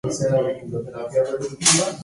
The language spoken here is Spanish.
Esta victoria le valió un triunfo.